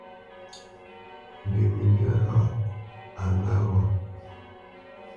Ndə məŋgywá ghâʼ a ŋǎ gho?